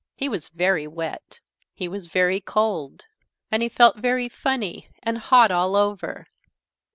He was very wet. He was very cold. And he felt very funny and hot all over.